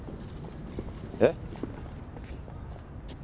えっ？